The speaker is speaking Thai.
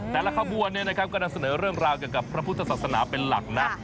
แต่ละขบวนก็นำเสนอเรื่องราวเกี่ยวกับพระพุทธศาสนาเป็นหลักนะ